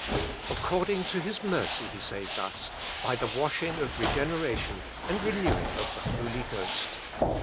According to His mercy He saved us by the wash ing of regeneration, and renewing of the Holy Ghost."